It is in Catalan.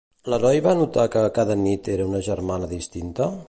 L'heroi va notar que cada nit era una germana distinta?